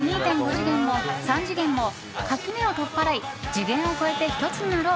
２次元も２．５次元も３次元も垣根を取っ払い、次元を超えてひとつになろう！